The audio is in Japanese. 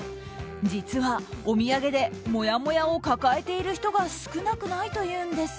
実は、お土産でもやもやを抱えている人が少なくないというんです。